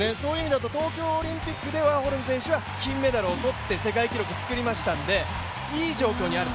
東京オリンピックでワーホルム選手は金メダルを取って世界記録を作りましたので、いい状況にある。